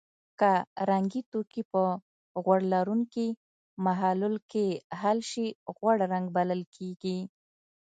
که رنګي توکي په غوړ لرونکي محلل کې حل شي غوړ رنګ بلل کیږي.